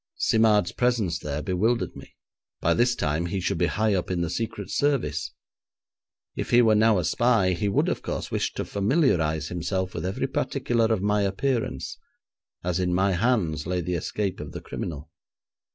Simard's presence there bewildered me; by this time he should be high up in the Secret Service. If he were now a spy, he would, of course, wish to familiarise himself with every particular of my appearance, as in my hands lay the escape of the criminal.